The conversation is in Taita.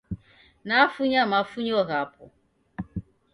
Nafunya mafunyo ghapo